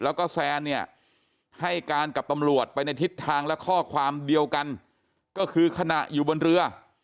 แล้วก็แซนเนี่ยให้การกับตำรวจไปในทิศทางและข้อความเดียวกันก็คือขณะอยู่บนเรือ